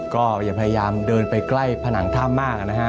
ก็อย่าพยายามเดินไปใกล้ผนังถ้ำมากนะฮะ